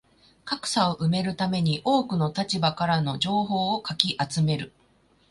格差を埋めるために多くの立場からの情報をかき集める